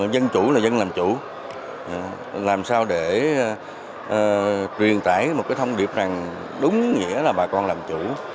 dân chủ là dân làm chủ làm sao để truyền tải một cái thông điệp đúng nghĩa là bà con làm chủ